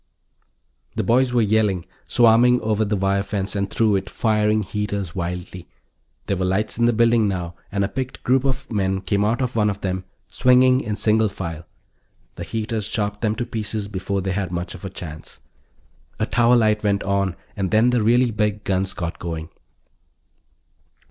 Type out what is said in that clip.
The boys were yelling, swarming over the wire fence and through it, firing heaters wildly. There were lights in the buildings, now, and a picked group of men came out of one of them, swinging in single file; the heaters chopped them to pieces before they had much of a chance. A tower light went on and then the really big guns got going.